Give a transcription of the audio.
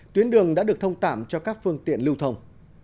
tuyến đường đã được thông tạm cho các phương tiện lưu thông